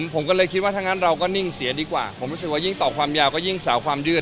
ผมก็เลยคิดว่าถ้างั้นเราก็นิ่งเสียดีกว่าผมรู้สึกว่ายิ่งต่อความยาวก็ยิ่งสาวความยืด